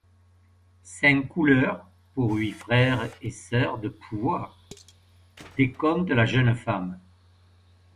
Cinq couleurs pour huit frères et sœurs de pouvoir… décompte la jeune femme.